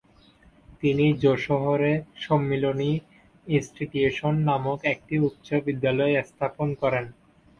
তিনি যশোহরে সম্মিলনী ইন্সটিটিউশন নামক একটি উচ্চ বিদ্যালয় স্থাপন করেন।